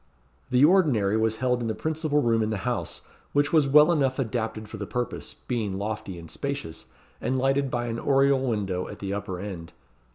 The ordinary was held in the principal room in the house; which was well enough adapted for the purpose, being lofty and spacious, and lighted by an oriel window at the upper end.